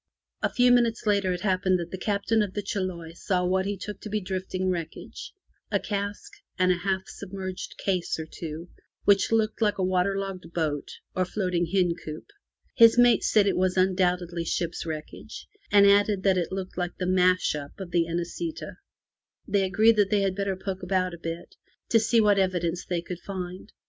A few minutes later it happened that the Captain of the Chiloe saw what he took to be drifting wreckage — a cask, and a half sub merged case or two, which looked like a water logged boat or floating hen coop. His mate said that it was undoubtedly ship's wreckage, and added that it looked like the smash up of the Inesita'' They agreed that they had better poke about a bit to see what evidence they could find.